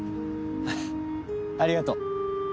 ありがとう。